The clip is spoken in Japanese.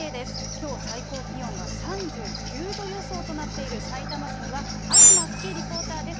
きょう、最高気温が３９度予想となっているさいたま市には、東ふきリポーターです。